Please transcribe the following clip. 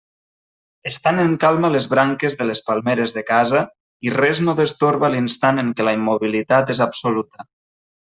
Estan en calma les branques de les palmeres de casa i res no destorba l'instant en què la immobilitat és absoluta.